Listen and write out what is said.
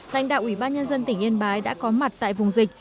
lãnh đạo ủy ban nhân dân tỉnh yên bái đã có mặt tại vùng dịch